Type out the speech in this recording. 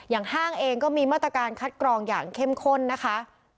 ห้างเองก็มีมาตรการคัดกรองอย่างเข้มข้นนะคะ